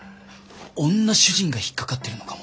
女主人が引っ掛かってるのかも。